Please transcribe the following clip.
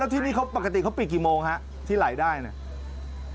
อ๋อแล้วที่นี่ปกติเขาปิดกี่โมงฮะที่ไหล่ได้น่ะ